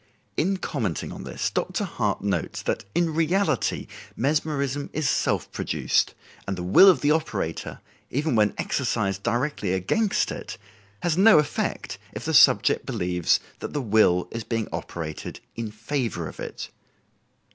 In commenting on this, Dr. Hart notes that in reality mesmerism is self produced, and the will of the operator, even when exercised directly against it, has no effect if the subject believes that the will is being operated in favor of it.